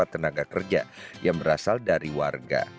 dua puluh empat tenaga kerja yang berasal dari warga